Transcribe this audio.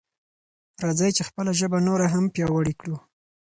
راځئ چې خپله ژبه نوره هم پیاوړې کړو.